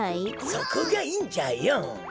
そこがいいんじゃよ。